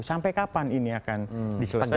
sampai kapan ini akan diselesaikan